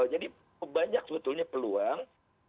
jadi banyak sebetulnya peluang